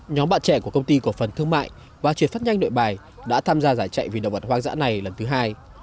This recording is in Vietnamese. nhóm bạn trẻ của công ty cổ phần thương mại và chuyển phát nhanh nội bài đã tham gia giải chạy vì động vật hoang dã này lần thứ hai